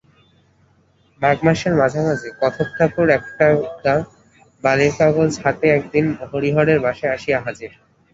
মাঘ মাসের মাঝামাঝি কথকঠাকুর এক টুকরা বালির কাগজ হাতে একদিন হরিহরের বাসায় আসিয়া হাজির।